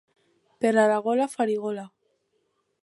Per a la gola, farigola.